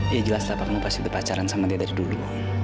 ya jelas tante kamu pasti berpacaran sama dia dari dulu